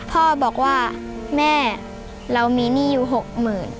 พ่อบอกว่าแม่เรามีหนี้อยู่๖๐๐๐บาท